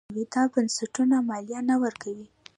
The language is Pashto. دا بنسټونه مالیه نه ورکوي.